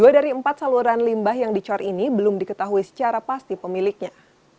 dua dari empat saluran limbah yang dicor ini belum diketahui secara pasti pemiliknya